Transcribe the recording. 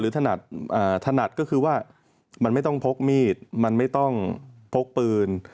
ถนัดถนัดก็คือว่ามันไม่ต้องพกมีดมันไม่ต้องพกปืน